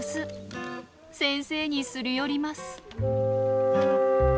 先生にすり寄ります。